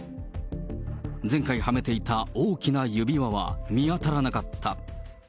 前回はめていた大きな指輪は見当たらなかった。